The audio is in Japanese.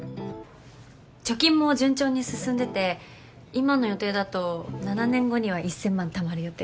貯金も順調に進んでて今の予定だと７年後には１，０００万たまる予定。